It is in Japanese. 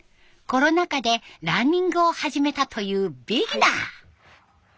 コロナ禍でランニングを始めたというビギナー。